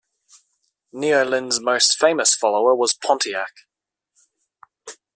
Neolin's most famous follower was Pontiac.